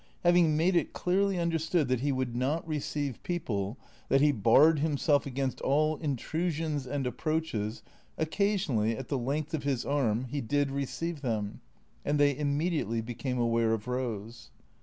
Having made it clearly understood that he would not receive people, that he barred him self against all intrusions and approaches, occasionally, at the length of his arm, he did receive them. And they immediately became aware of Eose.